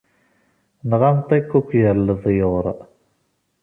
Neɣ am ṭikkuk ger leḍyur.